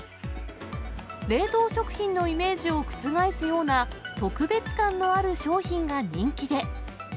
冷凍食品のイメージを覆すような特別感のある商品が人気で。